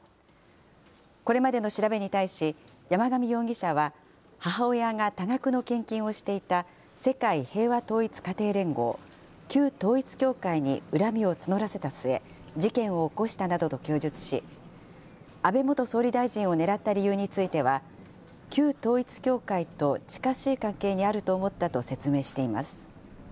これまでの調べに対し、山上容疑者は、母親が多額の献金をしていた世界平和統一家庭連合、旧統一教会に恨みを募らせた末、事件を起こしたなどと供述し、安倍元総理大臣を狙った理由については、旧統一教会と近しい関係にあると思ったと説明しています。